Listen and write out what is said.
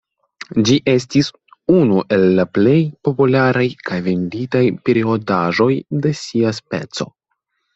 Ĝi estis unu el la plej popularaj kaj venditaj periodaĵoj de sia speco.